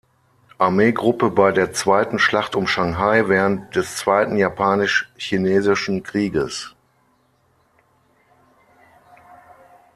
Armee-Gruppe bei der Zweiten Schlacht um Shanghai während des Zweiten Japanisch-Chinesischen Krieges.